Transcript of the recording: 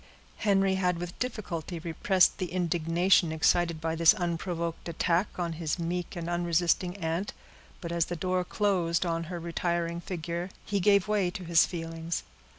Henry had with difficulty repressed the indignation excited by this unprovoked attack on his meek and unresisting aunt; but as the door closed on her retiring figure, he gave way to his feelings.